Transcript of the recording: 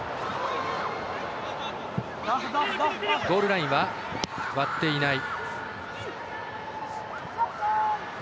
ゴールラインは割っていない。